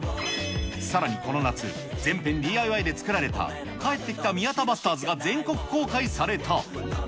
さらにこの夏、全編ＤＩＹで作られた返ってきた宮田バスターズが全国公開された。